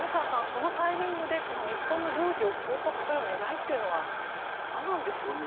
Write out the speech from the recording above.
このタイミングで日本の領事を拘束する狙いというのは何なんでしょうか。